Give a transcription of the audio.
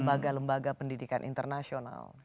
lembaga lembaga pendidikan internasional